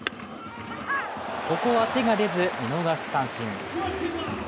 ここは手が出ず、見逃し三振。